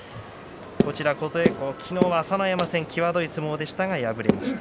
琴恵光、昨日の朝乃山戦際どい相撲でしたが敗れました。